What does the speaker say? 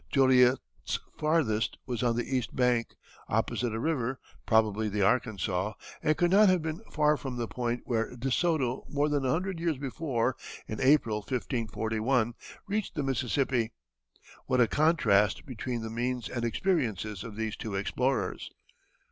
[Illustration: De Soto.] Joliet's farthest was on the east bank, opposite a river, probably the Arkansas, and could not have been far from the point where De Soto more than a hundred years before, in April, 1541, reached the Mississippi. What a contrast between the means and experiences of these two explorers!